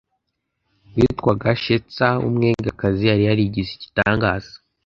witwaga shetsa w umwegakazi yari yarigize igitangaza